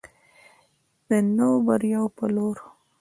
د نویو بریاوو په لور.